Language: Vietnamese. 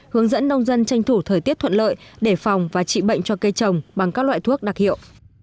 hướng dẫn nông dân tranh thủ thời tiết thuận lợi để phòng và trị bệnh cho cây trồng bằng các loại thuốc đặc hiệu